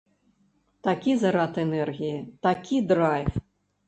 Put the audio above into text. Такі зарад энергіі, такі драйв!